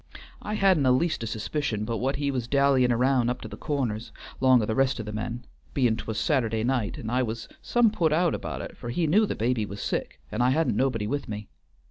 I hadn't a least o' suspicion but what he was dallying round up to the Corners, 'long o' the rest o' the men, bein' 't was Saturday night, and I was some put out about it, for he knew the baby was sick, and I hadn't nobody with me.